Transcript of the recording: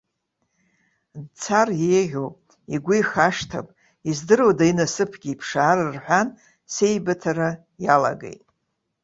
Дцар еиӷьуп, игәы ихашҭып, издыруада, инасыԥгьы иԥшаар рҳәан, сеибыҭара иалагеит.